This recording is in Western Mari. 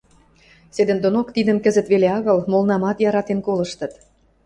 Седӹндонок тидӹм кӹзӹт веле агыл, молнамат яратен колыштыт.